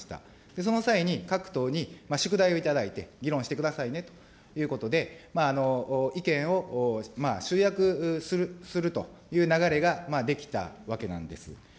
その際に各党に宿題を頂いて、議論してくださいねということで、意見を集約するという流れが出来たわけなんです。